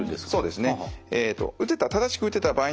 そうですね。